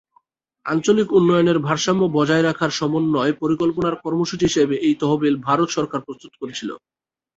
আঞ্চলিক উন্নয়নের ভারসাম্য বজায় রাখার সমন্বয় পরিকল্পনার কর্মসূচি হিসেবে এই তহবিল ভারত সরকার প্রস্তুত করেছিল।